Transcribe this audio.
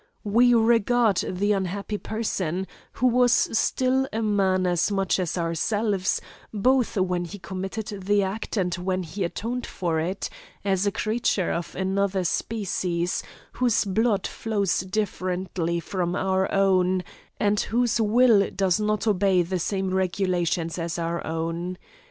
We regard the unhappy person, who was still a man as much as ourselves, both when he committed the act and when he atoned for it, as a creature of another species, whose blood flows differently from our own, and whose will does not obey the same regulations as our own.